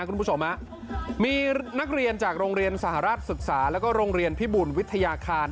คุณผู้ชมฮะมีนักเรียนจากโรงเรียนสหรัฐศึกษาแล้วก็โรงเรียนพิบุญวิทยาคาร